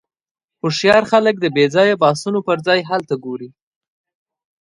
هوښیار خلک د بېځایه بحثونو پر ځای حل ته ګوري.